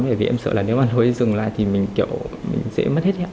bởi vì em sợ là nếu mà lối dừng lại thì mình kiểu dễ mất hết hẹn